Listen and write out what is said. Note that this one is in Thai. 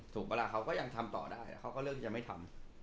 ถูกปะล่ะเขาก็ยังทำต่อได้เขาก็เลือกจะไม่ทำ